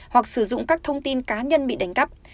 hoặc sử dụng các thông tin cá nhân bị đánh cắp